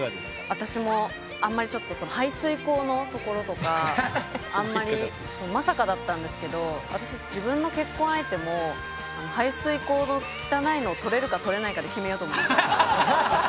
私もあんまりちょっとその排水溝のところとかあんまりまさかだったんですけど私自分の結婚相手も排水溝の汚いのを取れるか取れないかで決めようと思います。